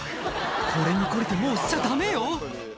これに懲りてもうしちゃダメよ